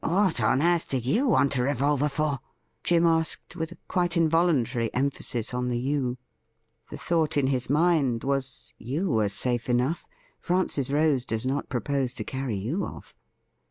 'What on earth do you want a revolver fori"' Jim asked, with a quite involuntary emphasis on the 'you.' The thought in his mind was, ' You are safe enough. Francis Rose does not propose to carry you oft'.'